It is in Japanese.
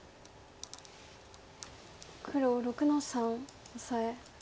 黒６の三オサエ。